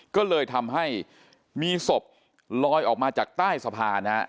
ก็เลยทำให้มีศพลอยออกมาจากใต้สะพานนะฮะ